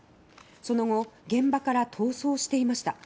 その後現場から逃走していました。